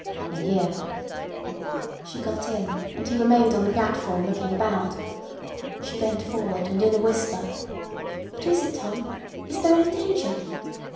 "In here." She got in, and he remained on the platform looking about. She bent forward, and in a whisper: "What is it, Tom? Is there any danger?